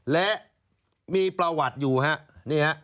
และมีประวัติอยู่ฮะนี่ฮะ